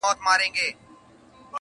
لنډۍ په غزل کي- اوومه برخه-